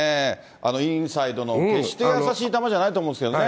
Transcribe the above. あのインサイドの決してやさしい球じゃないと思うんですけどね。